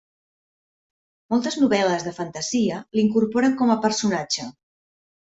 Moltes novel·les de fantasia l'incorporen com a personatge.